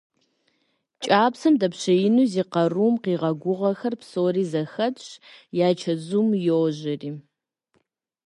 КӀапсэм дэпщеину зи къарум къигъэгугъэхэр псори зэхэтщ, я чэзум йожьэри.